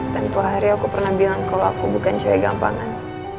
tanpa hari aku pernah bilang kalau aku bukan cahaya gampangan